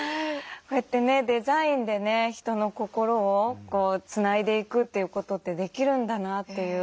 こうやってねデザインでね人の心をつないでいくということってできるんだなっていう。